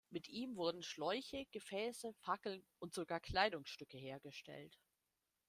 Mit ihm wurden Schläuche, Gefäße, Fackeln und sogar Kleidungsstücke hergestellt.